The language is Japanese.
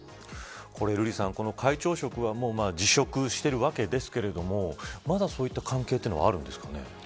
瑠麗さん、会長職は辞職しているわけですけれどもまだそういった関係というのはあるんですかね。